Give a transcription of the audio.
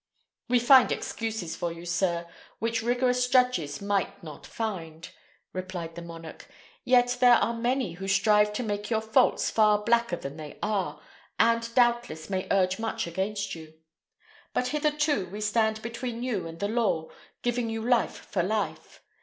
"We find excuses for you, sir, which rigorous judges might not find," replied the monarch; "yet there are many who strive to make your faults far blacker than they are, and doubtless may urge much against you; but hitherto we stand between you and the law, giving you life for life.